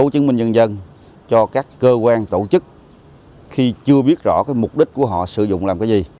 chứng minh nhân dân cho các cơ quan tổ chức khi chưa biết rõ cái mục đích của họ sử dụng làm cái gì